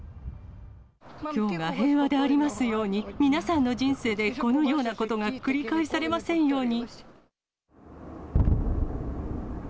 きょうが平和でありますように、皆さんの人生でこのようなことが繰り返されませんように。